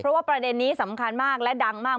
เพราะว่าประเด็นนี้สำคัญมากและดังมาก